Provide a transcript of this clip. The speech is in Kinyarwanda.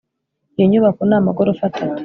Iyo nyubako ni amagorofa atatu